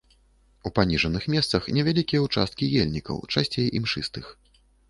У паніжаных месцах невялікія ўчасткі ельнікаў, часцей імшыстых.